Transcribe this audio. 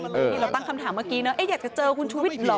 นี่เราตั้งคำถามเมื่อกี้นะอยากจะเจอคุณชูวิทย์เหรอ